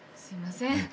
すいません。